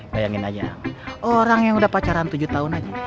bayangin aja orang yang udah pacaran tujuh tahun aja